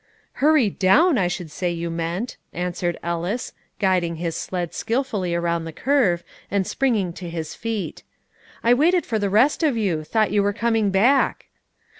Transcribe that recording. "Hurry down, I should say you meant," answered Ellis, guiding his sled skilfully around the curve, and springing to his feet. "I waited for the rest of you; thought you were coming back."